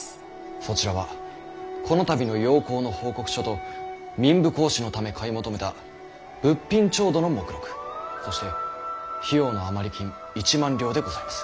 そちらはこの度の洋行の報告書と民部公子のため買い求めた物品調度の目録そして費用の余り金１万両でございます。